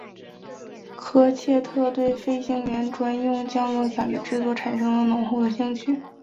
瑞切特对飞行员专用降落伞的制作产生了浓厚兴趣。